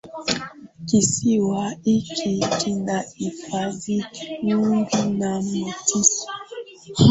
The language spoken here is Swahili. Kisiwa hiki kina hifadhi nyingi na misitu